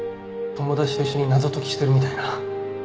友達と一緒に謎解きしてるみたいな。